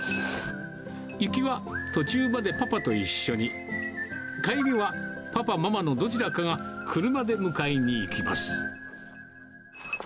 行きは途中までパパと一緒に、帰りは、パパ、ママのどちらかが車で迎えに行きます。